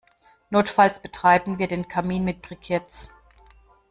Notfalls betreiben wir den Kamin mit Briketts.